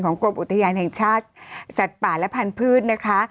กรมอุทยานแห่งชาติสัตว์ป่าและพันธุ์นะคะ